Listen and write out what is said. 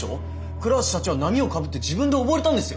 倉橋社長は波をかぶって自分で溺れたんですよ！